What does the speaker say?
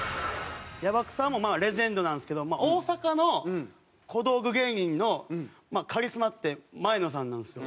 野爆さんもまあレジェンドなんですけど大阪の小道具芸人のカリスマって前野さんなんですよ。